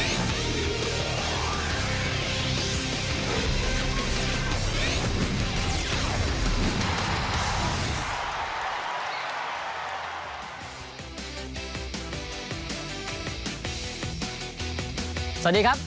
สวัสดีครับ